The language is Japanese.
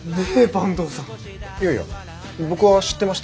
いやいや僕は知ってましたよ。